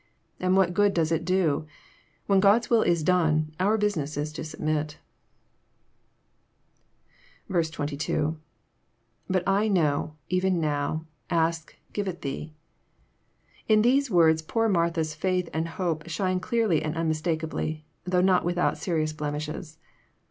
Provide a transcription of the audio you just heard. And what good does it do ? When God's will is done, our business is to submit." 82. — IBut I know, . >even note. . .ask., .give it thee."] In these words poor Martha's faith and hope shine clearly and unmistakably, though not without serious blemishes.